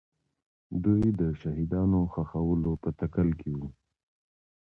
دوی د شهیدانو ښخولو په تکل کې وو.